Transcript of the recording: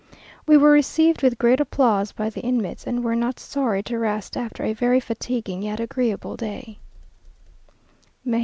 We were received with great applause by the inmates, and were not sorry to rest after a very fatiguing yet agreeable day.